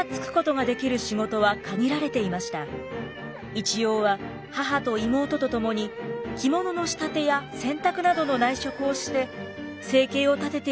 一葉は母と妹と共に着物の仕立てや洗濯などの内職をして生計を立てていくほかありませんでした。